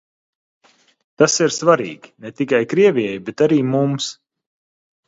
Tas ir svarīgi ne tikai Krievijai, bet arī mums.